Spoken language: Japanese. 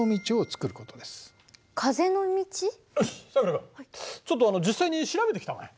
君ちょっと実際に調べてきたまえ。